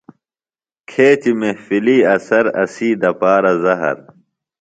کھیچیۡ محفلی اثر اسی دپارہ زہر۔